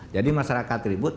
jadi masyarakat ribut